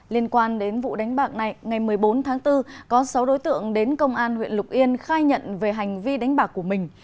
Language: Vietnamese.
liên quan đến vụ đánh bạc này ngày một mươi bốn tháng bốn có sáu đối tượng đến công an huyện lục yên khai nhận về hành vi đánh bạc của mình